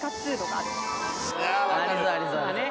ありそうありそう。